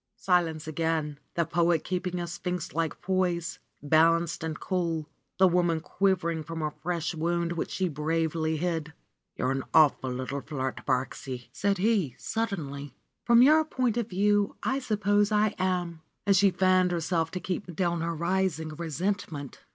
Silence again, the poet keeping a sphinx like poise, balanced and cool, the woman quivering from a fresh wound which she bravely hid. RENUNCIATION OF FRA SIMONETTA 107 ^'You are an awful little flirt, Birksie said he sud denly. ^Trom your point of view, I suppose I am.'^ And she fanned herself to keep down her rising resentment.